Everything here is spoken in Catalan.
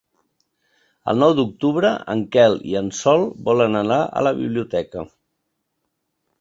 El nou d'octubre en Quel i en Sol volen anar a la biblioteca.